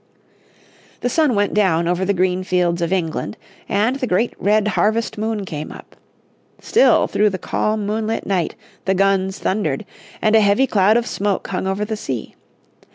The sun went down over the green fields of England, and the great red harvest moon came up. Still through the calm moonlit night the guns thundered, and a heavy cloud of smoke hung over the sea.